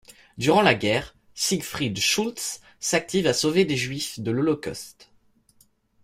Durant la guerre, Siegfried Schultze s'active à sauver des juifs de l'holocauste.